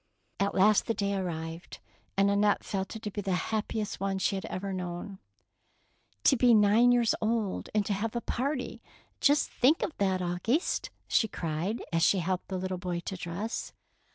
At last the day arrived, and Annette felt it to be the happiest one she had ever known. " To be nine years old and to have a party! Just think of that, Auguste! she cried, as she helped the little boy to dress.